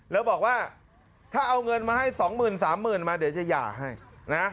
เธอบอกว่าถ้าเอาเงินมาให้๒หมื่น๓หมื่นมาเดี๋ยวจะหย่าให้นะ